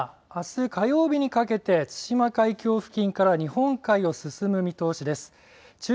今後ですがあす火曜日にかけて対馬海峡付近から日本海を進む見通しです。